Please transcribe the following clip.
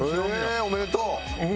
おめでとう。